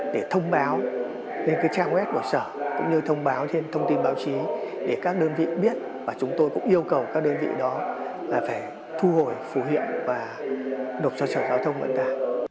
để thông báo lên trang web của sở cũng như thông báo trên thông tin báo chí để các đơn vị biết và chúng tôi cũng yêu cầu các đơn vị đó là phải thu hồi phù hiệu và đột cho sở giao thông vận tải